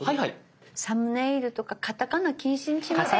サムネイルとかカタカナ禁止にしませんか？